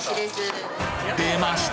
出ました！